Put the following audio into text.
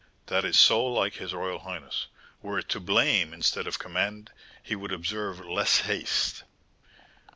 "That is so like his royal highness; were it to blame instead of commend, he would observe less haste."